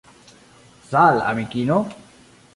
Sal' amikino